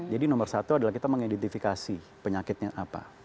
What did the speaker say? jadi nomor satu adalah kita mengidentifikasi penyakitnya apa